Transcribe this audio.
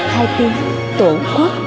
hai tiếng tổ quốc